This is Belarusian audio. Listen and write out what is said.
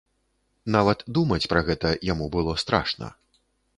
Нават думаць пра гэта яму было страшна.